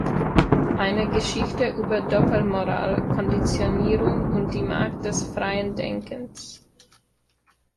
Eine Geschichte über Doppelmoral, Konditionierung und die Macht des freien Denkens.